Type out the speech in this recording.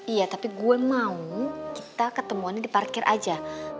iya tapi gue mau kita ketemuannya di parkir aja